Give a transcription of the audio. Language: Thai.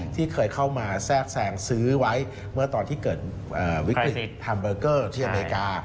ที่เคยเข้ามาแทรกแซงซื้อไว้เมื่อตอนที่เกิดวิกฤตแฮมเบอร์เกอร์ที่อเมริกา